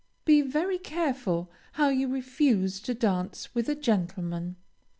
Be very careful how you refuse to dance with a gentleman.